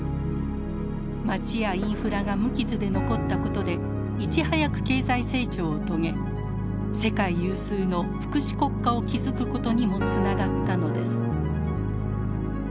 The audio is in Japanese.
街やインフラが無傷で残ったことでいち早く経済成長を遂げ世界有数の福祉国家を築くことにもつながったのです。